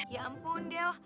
ya ampun del